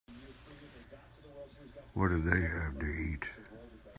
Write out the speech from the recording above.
What did they have to eat?